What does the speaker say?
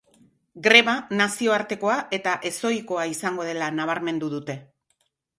Greba nazioartekoa eta ezohikoa izango dela nabarmendu dute.